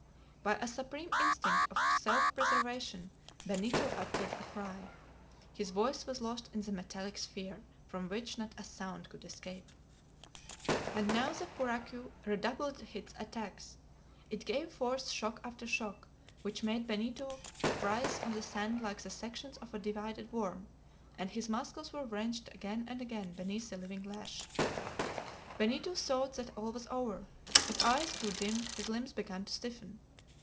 By a supreme instinct of self preservation Benito uttered a cry. His voice was lost in the metallic sphere from which not a sound could escape! And now the puraque redoubled its attacks; it gave forth shock after shock, which made Benito writhe on the sand like the sections of a divided worm, and his muscles were wrenched again and again beneath the living lash. Benito thought that all was over; his eyes grew dim, his limbs began to stiffen.